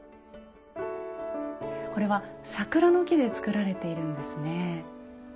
これは桜の木で作られているんですね。